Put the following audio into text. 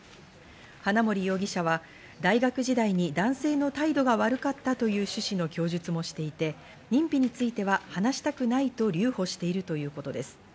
花森容疑者は大学時代に男性の態度が悪かったという趣旨の供述もしていて、認否については話したくないと留保しているということです。